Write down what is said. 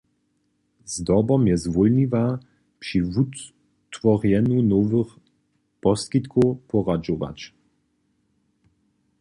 Zdobom je zwólniwa, při wutworjenju nowych poskitkow poradźować.